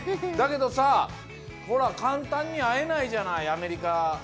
だけどさほらかんたんにあえないじゃないアメリカ。